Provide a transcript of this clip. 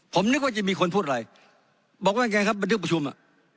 ผมนึกว่าจะมีคนพูดอะไรบอกว่าไงครับบันทึกประชุมอ่ะ